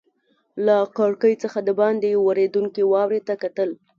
له کړکۍ څخه دباندې ورېدونکې واورې ته کتل.